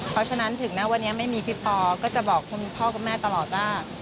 เพราะฉะนั้นถึงนะวันนี้ไม่มีพี่ปอก็จะบอกคุณพ่อคุณแม่ตลอดว่า